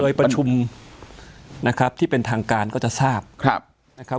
โดยประชุมนะครับที่เป็นทางการก็จะทราบครับนะครับ